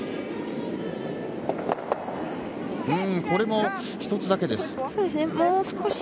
これも１つだけです。